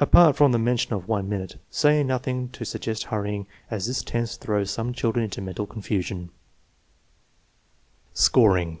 Apart from the mention of " one minute " say nothing to suggest hurrying, as this tends to throw some children into mental confusion. TEST NO. IX, 6 243 Scoring.